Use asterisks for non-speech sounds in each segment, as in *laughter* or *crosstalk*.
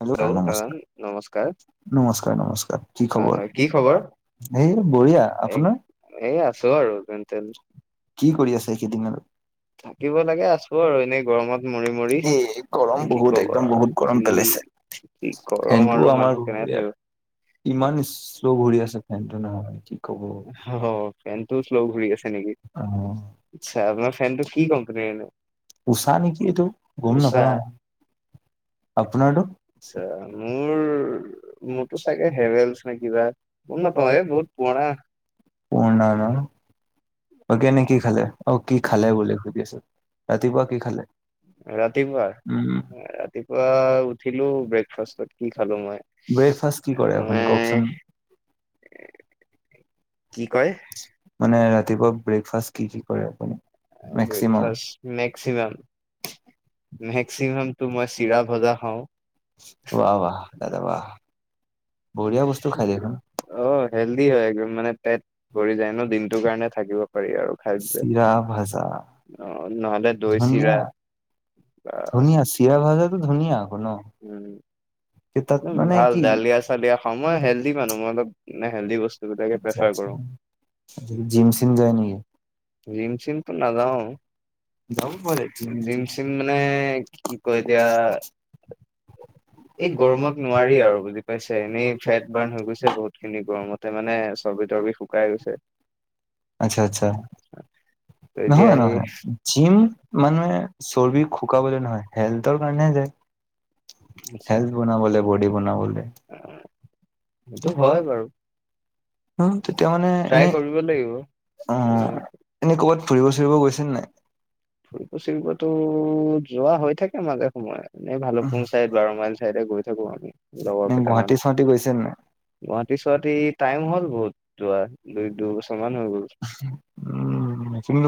*unintelligible* নমস্কাৰ। নমস্কাৰ, নমস্কাৰ! কি খবৰ, কি খবৰ? সেই বঢ়িয়া! আপোনাৰ? আছোঁ। কি কৰি আছে? *unintelligible* এ, গৰম বহুত! একদম বহুত গৰম পেলাইছে। কি গৰম আৰু মানুহ কেনেকে থাকিব। *unintelligible* ফেনটো শ্ল' ঘূৰি আছে নেকি? *unintelligible* ফেনটো কি কোম্পানীৰ নো? ঊষা। আপোনাৰটো? আচ্ছা! মোৰ মোৰতো চাগে, হেভেলছ নে কিবা, গম নাপাওঁ। এই বহুত পুৰণা। পূৰণা ন'? *unintelligible* কি খালে? অ'! কি খালে বুলি, সুধিছোঁ। ৰাতিপুৱা কি খালে? ৰাতিপুৱা, ৰাতিপুৱা উঠিলোঁ। ব্ৰেকফাষ্টত কি খালোঁ মই। ব্ৰেকফাষ্ট কি কৰে আপুনি, কওঁকচোন? মানে, ৰাতিপুৱা ব্ৰেকফাষ্ট কি কি কৰে, আপুনি মেক্সিমাম? মেক্সিমাম, মেক্সিমাম চিৰা ভজা খাওঁ। ৱাহ, ৱাহ! দাদা ৱাহ! বঢ়িয়া বস্তু খাই দেখোন? অ'! হেল্ডি হয় একদম। মানে, পেট ভৰি যায় ন' দিনটোৰ কাৰণে, থাকিব পাৰি আৰু। চিৰা ভাজা অ নহ'লে দৈ চিৰা অ'! চিৰা খোৱা নে? কি খোৱা? উম! উম! ভাল, দালি খালি আ সময় হেলডি মানুহ মই অলপ মানে হেলডি বস্তুবিলাকে প্ৰেফাৰ কৰো। জিম চিম যায় নেকি? জিম চিমটো নাযাও। জিম চিম মানে কি কয় এতিয়া এই গৰমত নোৱাৰি আৰু বুজি পাইছে এনেই ফেট বাৰ্ণ হৈ গৈছে বহুত খিনি গৰমত। তাতে মানে চৰ্বি তৰ্বি শুকাই গৈছে। আচ্ছা আচ্ছা নহয় নহয় জিম মানুহে চৰ্বি শুকাবলে নহয়, হেলডৰ কাৰ নে যায় হেলড বনাবলে বডি বনাবলে। সেইটো হয় বাৰু। উ তেতিয়া মানে এনে অ এনে ক'বাত ফুৰিব চুৰিব গৈছিল নে নাই? ফুৰিব চুৰিবতো যোৱা হৈ থাকে মাজে সময়ে এ ভালুপুং চাইদে বাৰ মাইল চাইডে গৈ থাকো আমি লগৰ কেইটামান গুৱাহাটী চুৱাহাটী টাইম হ'ল হ'ল যোৱা দুই দুই বছৰ মান হৈ গ'ল।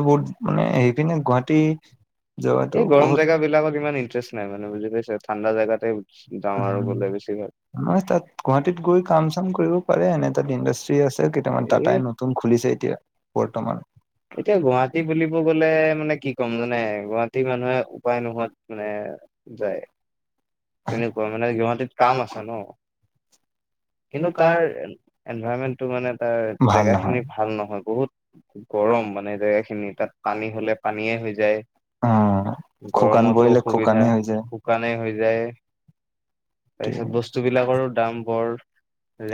বহুত মানে সেইপিনে গুৱাহাটী যোৱাতো বহুত এইবিলাত ইন্টাৰেষ্ট নাই মানে বুজি পাইছে ঠাণ্ডা জেগাতে যাওঁ আৰু গ'লে বেছিভাগ গুৱাহাটীত গৈ কাম চাম কৰিব পাৰে এনে এটা ইনণ্ডা ষ্ট্ৰি আছে কেইটামান টাটাই নতুন খুলিছে এতিয়া বৰ্তমান। এতিয়া গুৱাহাটী বুলিব গলে মানে কি ক'ম জানে গুৱাহাটী মানুহে উপাই নোহোৱাত মানে যায় তেনেকোৱা মানে গুৱাহাটীত কাম আছে ন। কিন্তু তাৰ এনভাৰমেন্ট টো মানে তাৰ জেগা খিনি ভাল নহয় বহুত গৰম মানে জেগা খিনি তাত পানী হলে পানীয়ে হৈ যায় গৰমতো অসুবিধা শুকানেই হৈ যায়। তাৰপিছত বস্তু বিলাকৰো দাম বৰ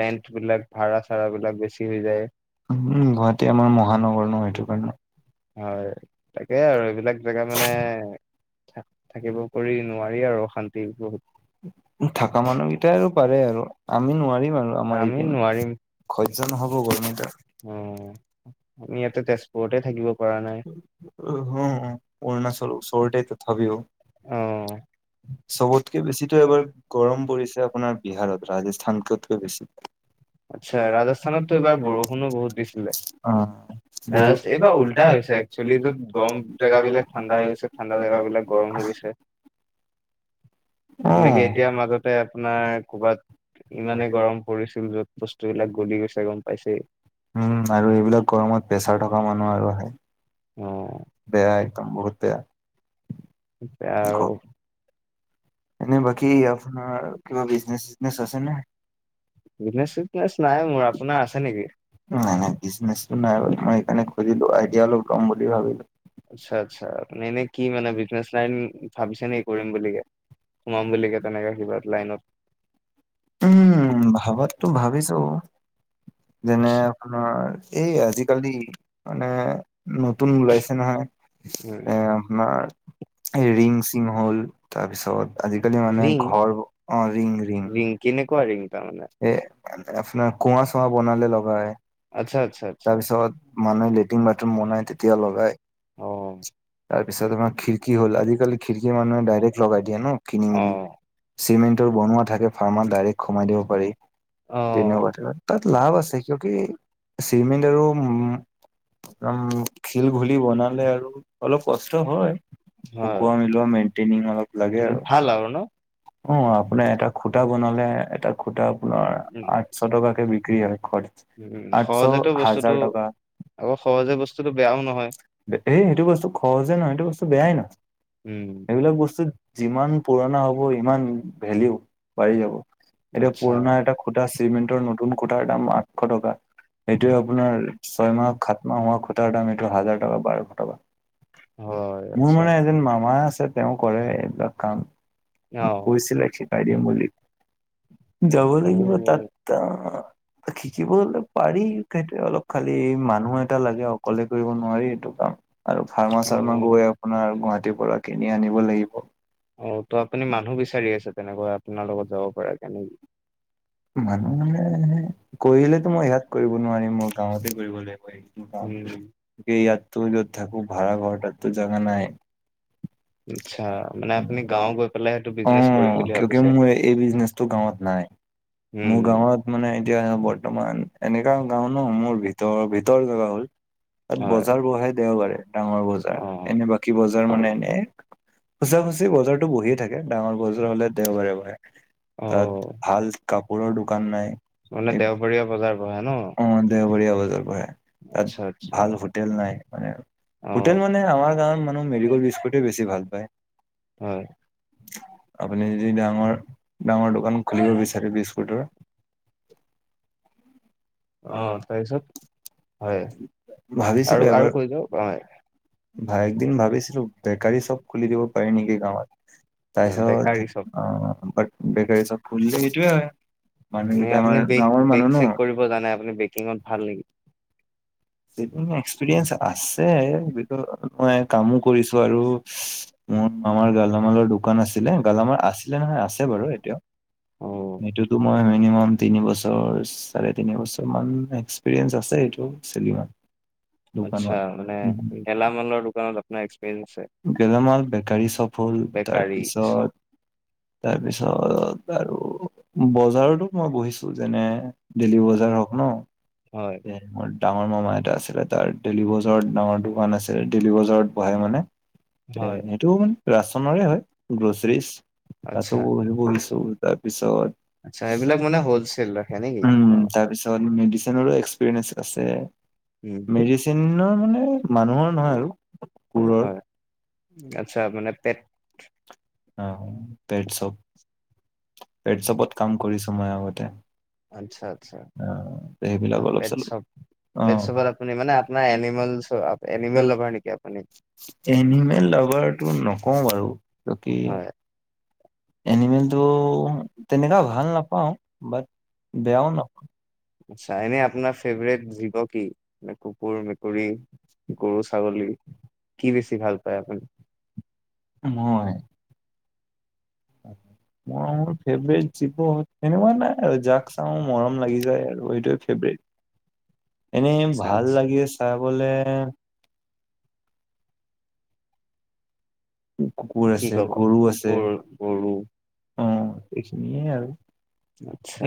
ৰেন্ট বিলাক ভাড়া ভাড়া বিলাক বেছি হৈ যায় উ হয় তাকেই আৰু এইবিলাক জেগা মানে থাকিব কৰি নোৱাৰি আৰু অশান্তি বহুত। থকা মানুহকেইটাই আৰু পাৰে আৰু আমি নোৱাৰিম আৰু আমাৰ এইপিনে সহ্য নহ'ব গৰম এতিয়া অ *inaudible* ইয়াতে তেজপুৰতে থাকিব পৰা নাই অ চবতকে বেছিতো এবাৰ গৰম পৰিছে আপোনাৰ বিহাৰত। ৰাজস্থান কতকৈ বেছি ৰাজস্থানতকৈ বাৰু বহুত অ ৰাজ এইবাৰ উল্টা হৈছে একচুৱেলিত গৰম জেগা বিলাক ঠাণ্ডা হৈ গৈছে ঠাণ্ডা জেগাবিলাক গৰম হৈ গৈছে। *unintelligible* তেনেকে এতিয়া মাজতে আপোনাৰ ক'বাত ইমানেই গৰম পৰিছিল য'ত বস্তুবিলাক গলি গৈছে গম পাইছেই। এইবিলাক গৰমত প্ৰেছাৰ থকা মানুহ আৰু আহে অ বেয়া একদম বহুত বেয়া। উম, বেয়া আৰু। এনে বাকি আপোনাৰ বিজনেচ-চিজনেচ আছে নে? ট্ৰাই কৰা আশা আছে নেকি? নাই নাই বিজনেছটো নাই বাৰু মই সেইকাৰণে খুজিলো আইডিয়া অলপ ল'ম বুলি ভাবিলো। আচ্ছা আচ্ছা আপুনি এনেই কি মানে বিজনেছ লাইন ভাবিছে নেকি কৰিম বুলিকে। সোমাম বুলি কে তেনেকে কিবা লাইনত। উম, ভাবাতো ভাবিছো, যেনে আমাৰ এই আজিকালি মানে নতুন ওলাইছে নহয়। উম, ৰিং-চিং হ'ল তাৰপিছত আজিকালি মানে ঘৰ অ' ৰিং-ৰিং। কেনেকুৱা ৰিং তাৰমানে? আপোনাৰ কুঁৱা-চুৱা বনালে লগাই। তাৰপিছত মানুহে লেট্ৰিন বাথৰুম বনাই তেতিয়া লগাই। তাৰপিছত আমাৰ খিৰিকী হ'ল, আজিকালি খিৰিকী মানুহে ডাইৰেক লগাই দিয়ে ন' কিনি মেলি, চিমেন্টৰ বনোৱা থাকে। ফাৰ্মাৰ ডাইৰেক্ট সোমাই দিব পাৰি। তেনেকুৱা তাত লাভ আছে সিহঁতে চিমেণ্ট আৰু উম, খিলঘুলি বনালে আৰু অলপ কষ্ট হয়। শোকোৱা মিলোৱা মেইটেনিং অলপ লাগে আৰু। খুটা বনালে এটা খুটা আপোনাৰ আঠশ টকাকে বিক্ৰী হয় খৰচ। আঠশ হাজাৰ টকা। এই সেইটো বস্তু সহজে নহয় সেইটো বস্তু বেয়াই নহয়। উম, যিমান পুৰণা হ'ব সিমান ভেলিউ। বাঢ়ি যাব এতিয়া পুৰণা এটা খুটা চিমেণ্টৰ নতুন খুটাৰ দাম আঠশ টকা। এইটোৱে আপোনাৰ ছয় মাহ, সাত মাহ হোৱা খুটাৰ দাম এইটো হাজাৰ টকা বাৰশ টকা। হয়, আচ্ছা। মামাই আছে তেওঁ কৰে এইবিলাক কাম কৈছিলে শিকাই দিম বুলি। যাব লাগিব তাত অ, শিকিব গলে পাৰি সেইটে অলপ খালি মানুহ এটা লাগে অকলে কৰিব নোৱাৰি এইটো কাম। আৰু ফাৰ্মা-চাৰ্মা গৈ আপোনাৰ গুৱাহাটীৰ পৰা কিনি আনিব লাগিব। অ, ত' আপুনি মানুহ বিচাৰি আছে তেনেকুৱা আপোনাৰ লগত যাব পাৰে কেনেকি। মানুহে কৰিলেতো মই ইয়াত কৰিব নোৱাৰিম মোৰ গাঁৱতে কৰিব লাগিব। ইতাতটো য'ত থাকো ভাড়া ঘৰট তো জাগা নাই। *unintelligible* অ, কিওকি মোৰ এই বিজনেচটো গাঁৱত নাই। মোৰ গাঁৱত মানে এতিয়া বৰ্তমান এনেকা গাও ন মোৰ ভিতৰ ভিতৰৰ জেগা হ'ল। তাত বজাৰ বহে দেওবাৰে ডাঙৰ বজাৰ এনে বাকী বজাৰ মানে এনে। খুচা খুচি বজাৰটো বহিয়ে থাকে ডাঙৰ বজাৰ হলে দেওবাৰে বহে। তাত ভাল কাপোৰৰ দোকান নাই। অ, দেওবৰিয়া বজাৰ বহে তাত ভাল ফ তেল নাই মানে। হোটেল মানে আমাৰ গাঁৱৰ মানুহ মেৰিকল বিস্কুটে বেছি ভাল পায়। আপুনি যদি ডাঙৰ-ডাঙৰ দোকান খুলিব বিচাৰে বিস্কুটৰ। অ, তাৰপিছত হয় আৰু-আৰু কৈ যাওক অ', ভাই একদিন ভাবিছিলো বেকাৰী চব খুলি দিব পাৰি নেকি গাঁৱত? তাৰপিছত অ, বেগ বেকাৰী ছপ খুলিলে সেইটোৱে হয়। মানুহ কেইতিয়া আমাৰ গাঁৱৰ মানুহ ন। আপুনি বেকিঙত ভাল নেকি? এক্সপিৰিয়েঞ্চ আছে বিপদত মই কামো কৰিছো আৰু মোৰ আমাৰ গেলামালৰ দোকান আছিলে গালামাল আছিলে নহয় আছে বাৰু এতিয়াও। সেটোতো মই মিনিমাম তিনি বছৰচ চাৰে তিনিবছৰ মান এক্স এইটো চিনিমা। দোকত গেলামাল বেকাৰী ছপ। ফুল তাৰ পিছত তাৰপিছত আৰু। বজাৰতো মই বহিছো যেনে দেলি বজাৰ হওক ন' *unintelligible* ডাঙৰ মামা এটা আছিলে তাৰ দেলি বজাৰত ডাঙৰ দোকান আছিলে দেলি বজাৰত বহে মানে। সেতুও মান ৰাচনৰে হয় গ্ৰচেৰিছ। তাছো বহিছো তাৰ পিছৰ *unintelligible* উম, তাৰপিছত। ধৰ মেডিচনৰো এক্সপিৰিয়েঞ্চ আছে। মেডচিনৰ মানে মানুহৰ নহয় আৰু কুকুৰৰ। আচ্ছা মানে পেট। অ, পেট চব। *inaudible* পেটছপত কাম কৰিছোঁ মই আগতে। অহ, ত'সেইবিলাক অলপ -চলপ অ, শিৱৰাত্ৰিৰ দিনা *unintelligible* এনিমেল লাভাৰটো নকওঁ বাৰু কিয়কি এনিমেলটো তেনেকা ভাল নাপাওঁ বাট বেয়াও নকওঁ। আচছা এনে আপোনাৰ ফেভাৰেট জীৱ কি কুকুৰ, মেকুৰী গৰু, ছাগলী কি বেছি ভাল পায় আপুনি? মই? হয়। মোৰ ফেভৰেট জীৱ তেনেুৱা নাই আৰু যাক চাওঁ মৰম লাগি যায় আৰু এইটোৱে ফেভৰেট। এনেই ভাল লাগে চাইবলেৱ কি ক'ব কুকুৰ, গৰু অ, এইখিনিয়ে আৰু।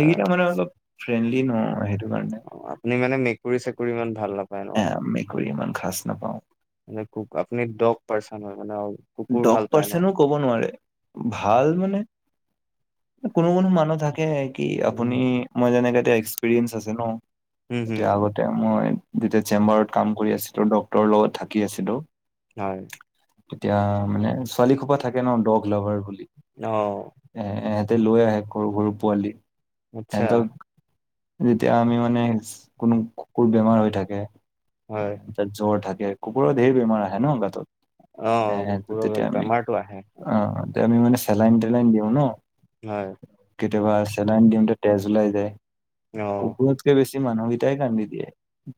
এইকেইটা মানে অলপ ফ্ৰেণ্ডলি ন'সেইটো কাৰণে। কৰিছে কৰি ইমান ভাল নাপায় ন? কৰি ইমান খাঁচ নাপাওঁ। মানে কুক আপনি দগ পাৰছেন হয় মানে আৰু কুকুৰ ভাল পায় ন? ভাল মানে এ কোনো -কোনো মানুহ থাকে কি আপুনি মই যেনেকে এটা এক্সপিৰিয়েঞ্চ আছে ন'। হম - হম মই যেতিয়া চেম্বাৰত কাম কৰি আছিলোঁ ডক্তৰৰ লগত থাকি আছিলোঁ তেতিয়া মানে ছোৱালী সোপা থাকে ন' ডগ লাভাৰ বুলি। অ', এহঁতে লৈ আহে সৰু- সৰু পোৱালি এহঁতক যেতিয়া আমি মানেচ কোনো কুকুৰ বেমাৰ হৈ থাকে *unintelligible* জ্বৰ থাকে কুকুৰৰ ধেৰ বেমাৰ আহে ন' গাতত। *unintelligible* তেতিয়া আমি অহ, তে আমি মানে চেলাইন -টেলাইন দিওঁ হয়। কেতিয়াবা চেলাইন দিওঁতে তেজ ওলাই যায়। কুকুৰতকে বেছি মানুহ কেইটাই কান্দি দিয়ে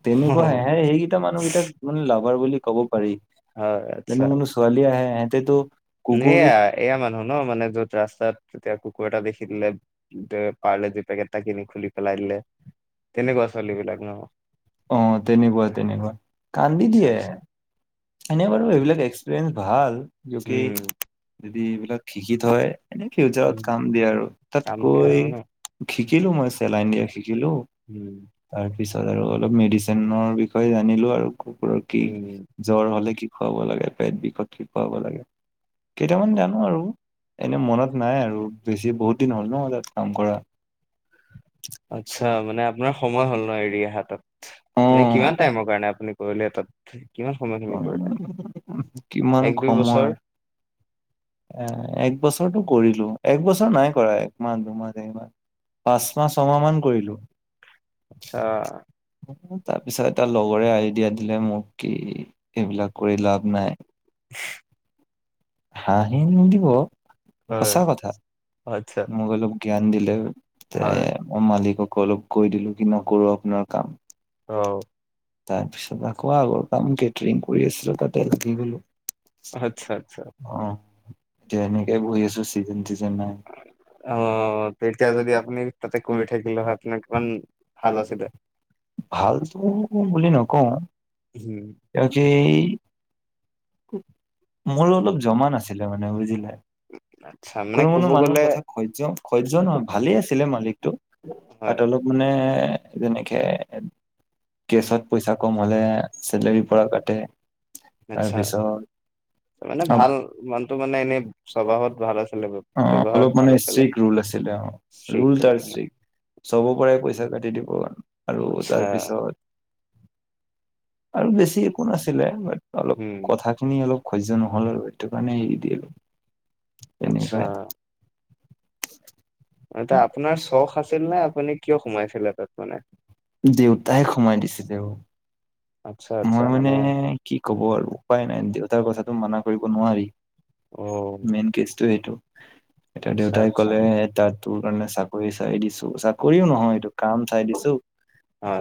তেনেকুৱা আহে এ সেইকেইটা মানুহকেইটাক মানে লাভাৰ বুলি ক'ব পাৰি। হয় আচ্ছা নে আৰ। এয়া মানুহ ন, মানে য'ত ৰাস্তাত যেতিয়া কুকুৰ এটা দেখি দিলে তে পাৰলেজি পেকেট এটা কিনি খুলি পেলাই দিলে তেনেকুৱা ছোৱালী বিলাক ন'। অ, তেনেকুৱা -তেনেকুৱা কান্দি দিয়ে। এনে বাৰু এইবিলাক এক্সপিৰিয়েঞ্চ ইউকি যদি এইবিলাক শিকি থয় হ এনে ফিউচাৰত কাম দিয়ে আৰু তাতকৈ শিকিলোঁ মই চেলাইন দিয়া শিকিলোঁ। ওম তাৰ পিছত আৰু অলপ মেডিচিনৰ বিষয়ে জানিলো আৰু কুকুৰৰ কি। জ্বৰ হ'লে কি খুৱাব লাগে পেট বিষত কি খুৱাব লাগে কেইটামান জানো আৰু এনে মনত নাই আৰু বেছি বহুত দিন হ'ল ন তাত কাম কৰা। আচ্ছা মানে আপোনাৰ সময় হল ন এৰি দিয়া। এনে কিমান টাইমৰ কাৰণে আপুনি কৰিলে তাত কিমান সময়খিনি কৰিলে। কিমান সময়। এ এক বছৰটো কৰিলো এক বছৰ নাই কৰা একমাহ, দুমাহ, তিনিমাহ। পাঁচ মাহ, ছমাহ মান কৰিলো। আচ্ছা তাৰ পিছত এটা লগৰে আইডিয়া দিলে মোক কি। এইবিলাক কৰি লাভ নাই। হাঁহি নিদিব সঁচা কথা। মোক অলপ জ্ঞান দিলে তে অ মালিক কালো কৈ দিলো কি নকৰো আপোনাৰ কাম। অ তাৰপিছত আকৌ আগৰ কাম কেটেৰিং কৰি আছিলো তাতে লাগি গলো। অ এতিয়া এনেকে বহি আছো চিজন চিজন নাই। অ তেতিয়া যদি আপুনি তাতে কৰি থাকিলে হয় আপোনাক কিমান কিমান ভাল আছিলে। ভালতো বুলি নকওঁ তেওঁ কি মোৰো অলপ জমা নাছিলে মানে বুজিলে। কোনো কোনো মানুহৰ কথা সহ্য সহ্য নহয় ভালেই আছিলে মালিকটো। আ তলপ মানে। যেনেকে কেছত পইচা কম হলে চলেৰীৰ পৰা কাটে। তাৰপিছত অ অলপ মানে ষ্ট্ৰিক ৰুল আছিলে অ ৰুল তাৰষ্ট্ৰিক চব পৰাই পইচা কাটি দিব আৰু তাৰ পিছত। আৰু বেছি একো নাছিলে বাত অলপ কথা। সেই খিনি অলপ সজ্য নহ'ল আৰু সেইটো কাৰণে এৰি দিলো এনেকাই। *inaudible* এটা আপোনাৰ চখ আছিল নে আপুনি কিয় সোমাইছিলে তাত মানে। দেউতাই সোমাই দিছিলে অও। মই মানে কি কব আৰু উপায় নাই দেউতাৰ কথাটো মানা কৰিব নোৱাৰি। মেইন কেচটো এইটো এতিয়া দেউতাই ক'লে তাত তোৰ কাৰণে চাকৰি চাই দিছো চা কৰিও নহয় এইটো কাম চাই দিছো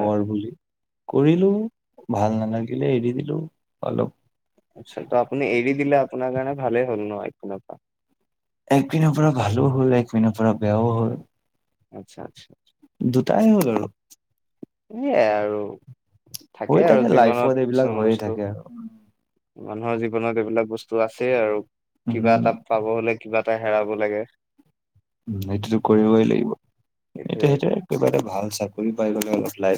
কৰ বুলি কৰিলোঁ। ভাল নালাগিলে এৰি দিলোঁ। আচ্ছা ত আপুনি এৰি দিলে আপোনাৰ কাৰণে ভালেই হ'ল ন এক ফানৰ পৰা একপিনৰ পৰা ভালো হ'ল একপিনৰ পৰা বেয়াও হ'ল। আচ্ছা আচ্ছা দুটাই হ'ল আৰু সেয়াই আৰু থাকে আৰু জীৱনত কিছুমান বস্তু মানুহৰ জীৱনত এইবিলাক বস্তু আছেই আৰু কিবা এটা পাব হলে কিবা এটা হেৰাব লাগে। উ সেইটোতো কৰিবই লাগিব এতিয়া সেইটোৱে কিবা এটা ভাল চাকৰি পাই গলে অলপ লাইফ